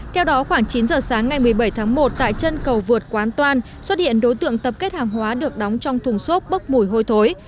theo đó khoảng chín giờ sáng ngày một mươi bảy tháng một tại chân cầu vượt quán toan xuất hiện đối tượng tập kết hàng hóa được đóng trong thùng xốp bốc mùi hôi thối